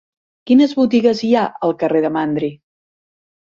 Quines botigues hi ha al carrer de Mandri?